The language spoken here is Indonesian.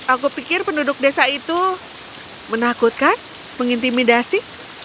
aku pikir penduduk desa itu menakutkan mengintimidasi